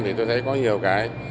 thì tôi thấy có nhiều cái